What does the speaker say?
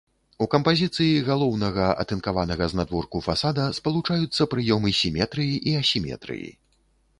У кампазіцыі галоўнага атынкаванага знадворку фасада спалучаюцца прыёмы сіметрыі і асіметрыі.